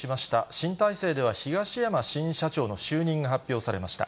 新体制では、東山新社長の就任が発表されました。